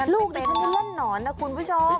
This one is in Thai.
ลูกดิฉันเล่นนอนคุณผู้ชม